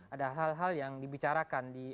ada hal hal yang dibicarakan